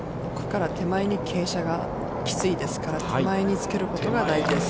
奥から手前に傾斜がきついですから、手前につけることが大事です。